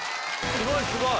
すごいすごい！